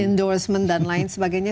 endorsement dan lain sebagainya